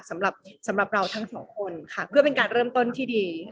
สำหรับเราทั้งสองคนค่ะเพื่อเป็นการเริ่มต้นที่ดี